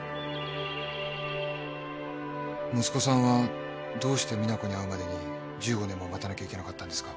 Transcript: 息子さんはどうして実那子に会うまでに１５年も待たなきゃいけなかったんですか？